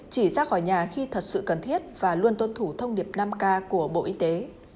chỉ ra khỏi nhà khi thật sự cần thiết và luôn tuân thủ thông điệp năm k của bộ y tế